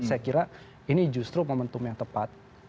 saya kira ini justru momentum yang tepat